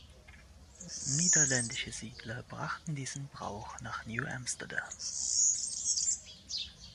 Niederländische Siedler brachten diesen Brauch nach New Amsterdam.